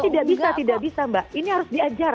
tidak bisa tidak bisa mbak ini harus diajar